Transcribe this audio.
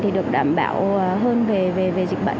thì được đảm bảo hơn về dịch bệnh